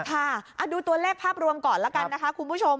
ค่ะดูตัวเลขภาพรวมก่อนแล้วกันนะคะคุณผู้ชม